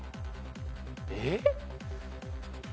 えっ？